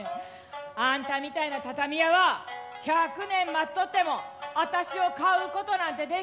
あんたみたいな畳屋は１００年待っとってもあたしを買うことなんて出来んでね！」。